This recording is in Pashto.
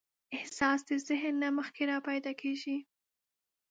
احساس د ذهن نه مخکې راپیدا کېږي.